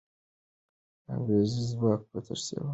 انګریزي ځواک به تېښته وکړي.